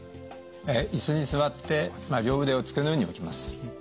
椅子に座って両腕を机の上に置きます。